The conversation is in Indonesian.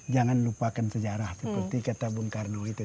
jangan lupakan sejarah seperti kata bung karno itu